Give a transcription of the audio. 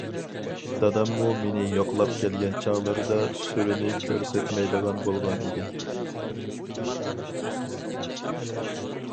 داداممۇ مېنى يوقلاپ كەلگەن چاغلىرىدا سۈرىنى كۆرسەتمەيدىغان بولغان ئىدى.